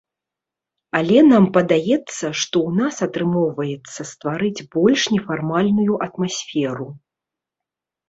Але нам падаецца, што ў нас атрымоўваецца стварыць больш нефармальную атмасферу.